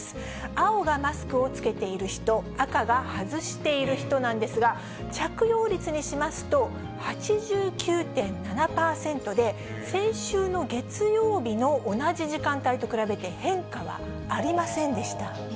青がマスクを着けている人、赤が外している人なんですが、着用率にしますと８９．７％で、先週の月曜日の同じ時間帯と比べて、変化はありませんでした。